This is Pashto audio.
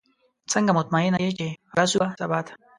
څنګه مطمئنه یې چې رسو به سباته؟